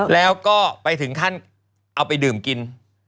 แล้วก็ไปถึงขั้นเอาไปดื่มกิน